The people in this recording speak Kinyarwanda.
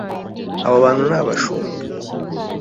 Abo bantu ni abashumba